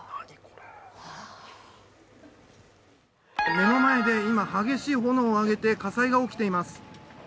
目の前で今、激しい炎を上げて、火災が起きています。